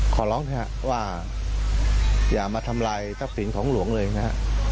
ขอร้องเถอะว่าอย่ามาทำลายทรัพย์สินของหลวงเลยนะฮะ